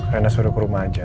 karena suruh ke rumah aja